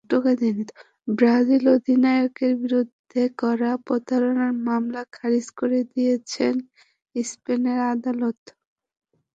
Brazil অধিনায়কের বিরুদ্ধে করা প্রতারণার মামলা খারিজ করে দিয়েছেন স্পেনের আদালত।